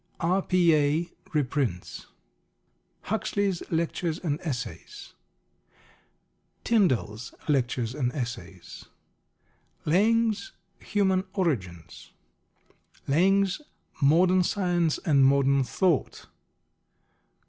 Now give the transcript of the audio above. C. R.P.A. REPRINTS Huxley's Lectures and Essays. Tyndall's Lectures and Essays. Laing's Human Origins. Laing's _Modern Science and Modern Thought.